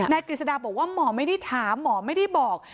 กฤษฎาบอกว่าหมอไม่ได้ถามหมอไม่ได้บอก